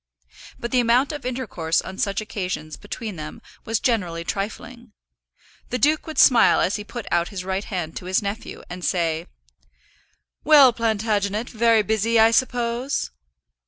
But the amount of intercourse on such occasions between them was generally trifling. The duke would smile as he put out his right hand to his nephew, and say, "Well, Plantagenet, very busy, I suppose?"